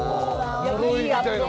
呪いみたいな。